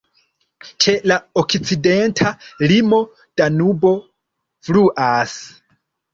Ĉe la okcidenta limo Danubo fluas.